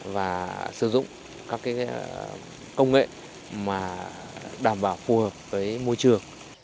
và sử dụng các công nghệ đảm bảo phù hợp với môi trường